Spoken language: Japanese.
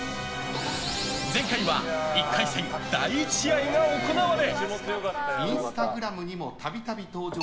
前回は１回戦第１試合が行われ。